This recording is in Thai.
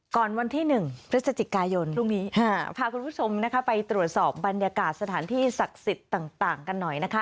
วันที่๑พฤศจิกายนพรุ่งนี้พาคุณผู้ชมนะคะไปตรวจสอบบรรยากาศสถานที่ศักดิ์สิทธิ์ต่างกันหน่อยนะคะ